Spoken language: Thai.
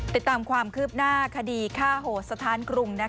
ติดตามความคืบหน้าคดีฆ่าโหดสถานกรุง